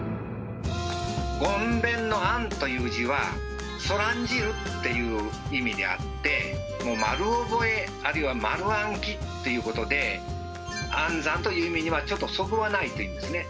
ごんべんの「諳」という字は「そらんじる」っていう意味であってもう丸覚えあるいは丸暗記ということで暗算という意味にはちょっとそぐわないというんですね。